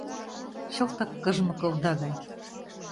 Чылтак кыжмык овда гай.